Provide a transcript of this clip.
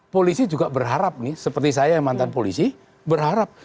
polisi juga berharap nih seperti saya yang mantan polisi berharap